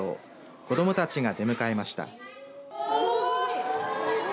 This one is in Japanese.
子どもたちが出迎えました。